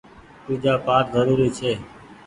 پوجآ پآٽ زروري ڇي۔